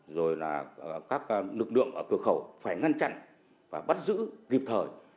rồi là các lực lượng ở cửa khẩu phải ngăn chặn và bắt giữ kịp thời